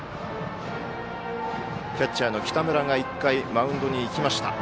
キャッチャーの北村が１回、マウンドに行きました。